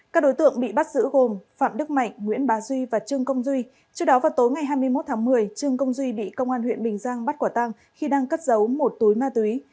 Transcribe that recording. các đối tượng bị bắt giữ gồm phạm đức mạnh nguyễn bà duy và trương công duy trước đó vào tối ngày hai mươi một tháng một mươi trương công duy bị công an huyện bình giang bắt quả tăng khi đang cất giấu một túi ma túy